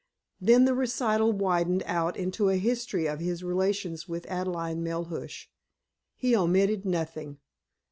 Then the recital widened out into a history of his relations with Adelaide Melhuish. He omitted nothing.